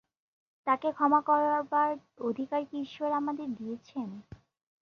তাকে ক্ষমা করবার অধিকার কি ঈশ্বর আমাদের দিয়েছেন?